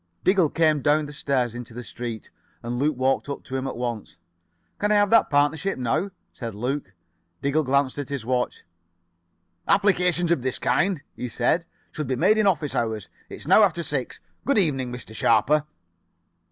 Diggle came down the stairs into the street, and Luke walked up to him at once: "Can I have that partnership now?" said Luke. Diggle glanced at his watch. "Applications of this kind," he said, "should be made in office hours. It is now after six. Good evening, Mr. Sharper."